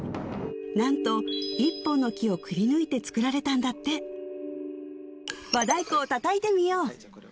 なんと１本の木をくりぬいて作られたんだって和太鼓を叩いてみよう！